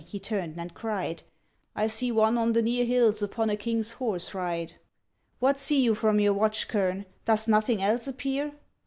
' he turned and cried. ' I see one on the near hills upon a king's horse ride.' ' What see you from your watch, kern : does nothing else appear?